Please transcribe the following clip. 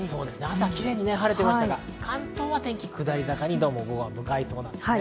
朝キレイに晴れてましたが、関東は天気が下り坂に向かいそうです。